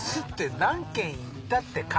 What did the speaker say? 何軒行ったって「カキ」は。